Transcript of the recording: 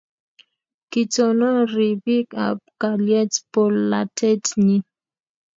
Kitonon ribik ab kalyet polatet nyi.